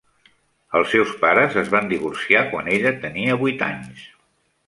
Els seus pares es van divorciar quan ella tenia vuit anys.